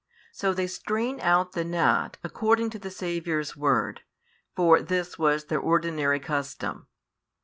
So they strain out the gnat, according to the Saviour's word; for this was their ordinary custom.